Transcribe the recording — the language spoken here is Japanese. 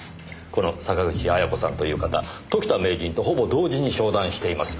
この坂口彩子さんという方時田名人とほぼ同時に昇段しています。